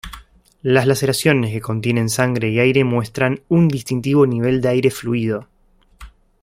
Las laceraciones que contienen sangre y aire muestran un distintivo nivel de aire-fluido.